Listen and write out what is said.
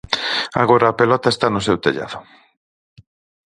Agora a pelota está no seu tellado.